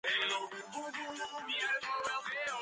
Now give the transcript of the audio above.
მდებარეობს დეპარტამენტის ჩრდილო-აღმოსავლეთ ნაწილში.